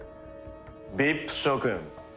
ＶＩＰ諸君。